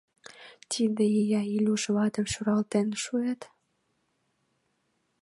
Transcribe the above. Тиде ия Илюш ватым шуралтен шуэт?..